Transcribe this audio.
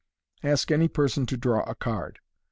Ask any person to draw a card.